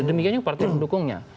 demikiannya partai mendukungnya